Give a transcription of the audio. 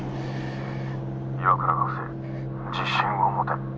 「岩倉学生自信を持て」。